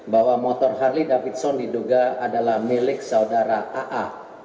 bahwa motor harley davidson diduga adalah milik saudara aa